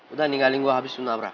udah ninggalin gue habis menabrak